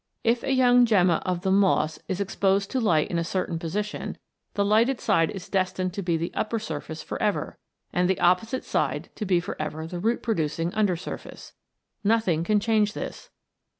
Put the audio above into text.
If a young gemma of the moss is exposed to light in a certain position, the lighted side is destined to be the upper surface for ever, and the opposite side to be for ever the root producing under surface. Nothing can change this.